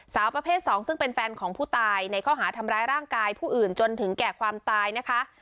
สาวประเภท๒ซึ่งเป็นแฟนของผู้ตายในข้อหาทำร้ายร่างกายผู้อื่นจนถึงแก่ความตายนะคะ